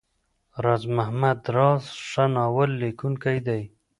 راز محمد راز ښه ناول ليکونکی دی.